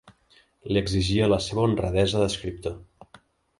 Li exigia la seva honradesa d'escriptor…